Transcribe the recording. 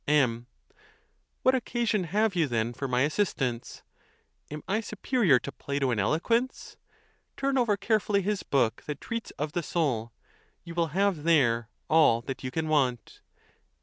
M. What occasion have you, then, for my assistance ? Am I superior to Plato in eloquence? Turn over care fully his book that treats of the soul; you will have there all that you can want.